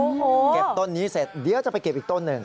เก็บต้นนี้เสร็จเดี๋ยวจะไปเก็บอีกต้นหนึ่ง